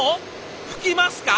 吹きますか！？